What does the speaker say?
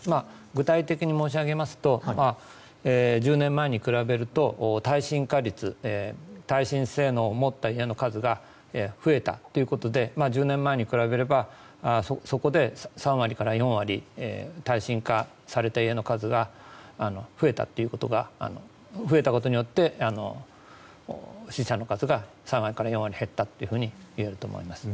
具体的に申し上げますと１０年前と比べて耐震化率耐震性能を持った家の数が増えたということで１０年前に比べればそこで３割から４割耐震化された家の数が増えたことによって死者の数が３割から４割減ったというふうにいえると思います。